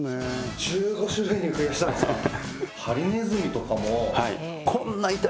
１５種類に増やしたんですか